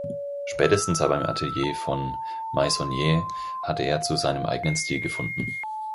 Spätestens aber im Atelier von Meissonier hatte er zu seinem eigenen Stil gefunden.